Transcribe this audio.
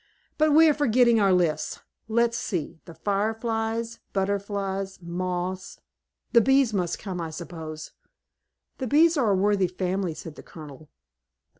But we are forgetting our list. Let's see, the Fireflies, Butterflies, Moths. The Bees must come, I suppose." "The Bees are a worthy family," said the Colonel.